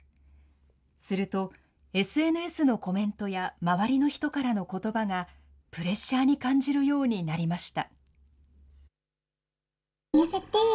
すると、ＳＮＳのコメントや周りの人からのことばがプレッシャーに感じるようになりました。